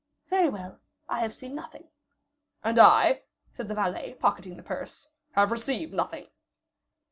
"Very well; I have seen nothing." "And I," said the valet, pocketing the purse, "have received nothing."